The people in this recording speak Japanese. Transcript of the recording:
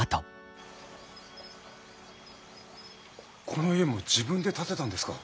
この家も自分で建てたんですか？